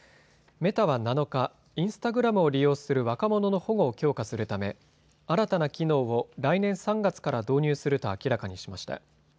メタは７日、インスタグラムを利用する若者の保護を強化するため新たな機能を来年３月から導入すると明らかにしました。